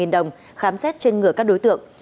ba trăm một mươi đồng khám xét trên ngựa các đối tượng